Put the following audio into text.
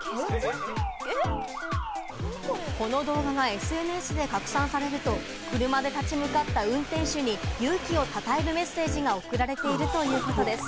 この動画がＳＮＳで拡散されると、車で立ち向かった運転手に勇気をたたえるメッセージが送られているということです。